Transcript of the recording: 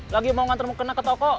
lagi mau ngantarmu kena ke toko